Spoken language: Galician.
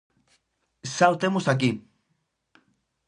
Xa o temos aquí!